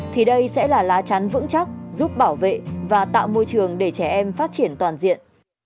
thì đây sẽ là lá chắn vững chắc giúp bảo vệ và tạo môi trường để trẻ em phát triển toàn diện